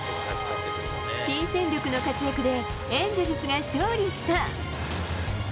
新戦力の活躍で、エンゼルスが勝利した。